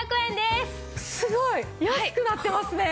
すごい！安くなってますね。